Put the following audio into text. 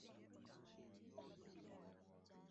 Walivamia chumba alimokuwa Karume na wenzake na kumimina risasi